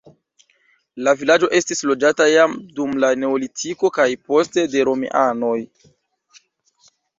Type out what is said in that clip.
La vilaĝo estis loĝata jam dum la neolitiko kaj poste de romianoj.